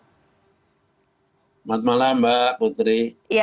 selamat malam mbak putri